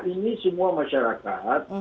ini semua masyarakat